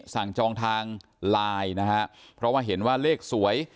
จองทางไลน์นะฮะเพราะว่าเห็นว่าเลขสวย